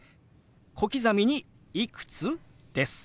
小刻みに「いくつ？」です。